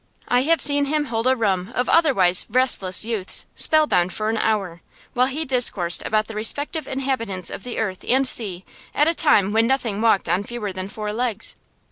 I have seen him hold a roomful of otherwise restless youths spellbound for an hour, while he discoursed about the respective inhabitants of the earth and sea at a time when nothing walked on fewer than four legs.